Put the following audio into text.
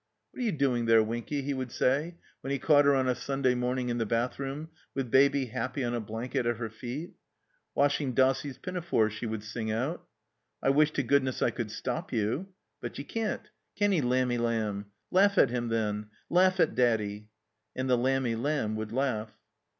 "What are jrou doing there, Winky?" he would say, when he caught her on a Sunday morning in the bathroom, with Baby happy on a blanket at her feet. "Washing Dossie's pinafores," she would sing out, "I wish to Goodness I could stop you." "But you can't. Can he, Lamby.Lamb? Laugh at him, then. Laugh at Daddy." And the Lamby Lamb wotild laugh.